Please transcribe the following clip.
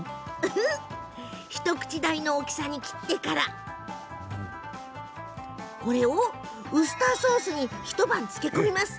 一口大の大きさに切ってからウスターソースに一晩、漬け込みます。